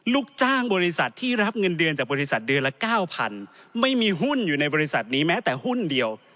ลูกจ้างบริษัทที่รับเงินเดือนจากบริษัทเดือนละเก้าพันไม่มีหุ้นอยู่ในบริษัทนี้แม้แต่หุ้นเดียว